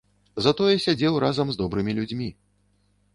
Затое сядзеў разам з добрымі людзьмі.